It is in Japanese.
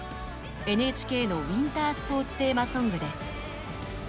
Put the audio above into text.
ＮＨＫのウィンタースポーツテーマソングです。